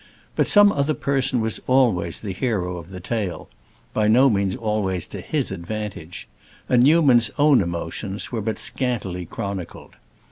But some other person was always the hero of the tale, by no means always to his advantage; and Newman's own emotions were but scantily chronicled.